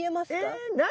え何？